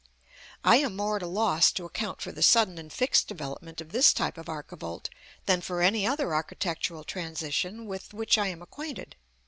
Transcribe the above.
I am more at a loss to account for the sudden and fixed development of this type of archivolt than for any other architectural transition with which I am acquainted.